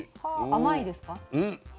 甘いですか？